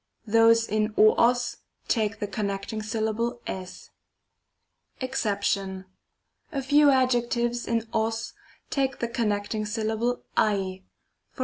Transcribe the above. Those in o og take the connecting syllable tg. JExcep. A few adjectives in og take the connecting syllable ac. JEx.